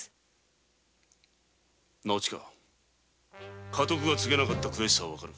直親家督が継げなかった悔しさはわかる。